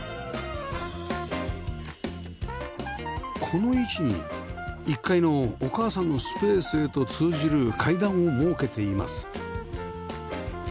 この位置に１階のお母さんのスペースへと通じる階段を設けています